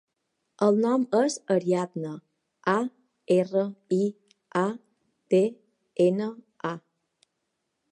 El nom és Ariadna: a, erra, i, a, de, ena, a.